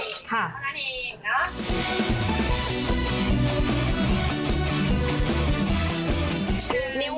นิ้วไม่เอานะครับพี่ฝน